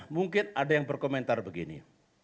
mungkin ada yang berkomentar begini